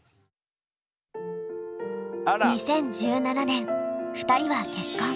２０１７年２人は結婚。